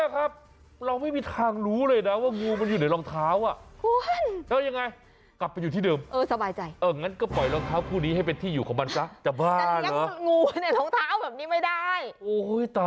ก็คือก่อนใส่หลองเท้าให้เคาะประตูบ้านดู